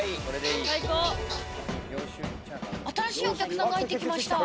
新しいお客さんが入ってきました。